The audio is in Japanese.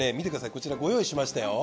こちらご用意しましたよ。